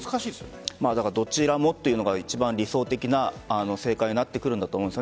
どちらもというのが一番理想的な正解になってくると思います。